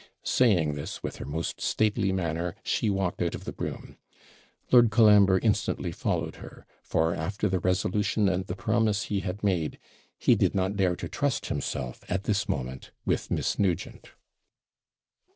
Saying this, with her most stately manner she walked out of the room. Lord Colambre instantly followed her; for, after the resolution and the promise he had made, he did not dare to trust himself at this moment with Miss Nugent.